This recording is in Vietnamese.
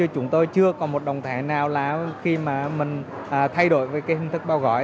chúng tôi chưa còn một động thể nào là khi mà mình thay đổi về cái hình thức bao gọi